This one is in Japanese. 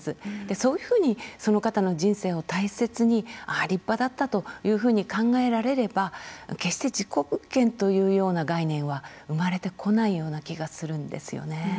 そういうふうにその方の人生を大切にああ立派だったというふうに考えられれば決して事故物件というような概念は生まれてこないような気がするんですよね。